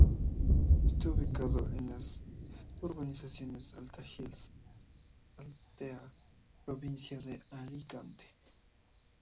Está ubicado en la urbanización Altea Hills, Altea, provincia de Alicante.